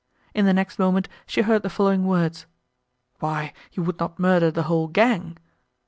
In the next moment, she heard the following words, "Why you would not murder the whole _gang?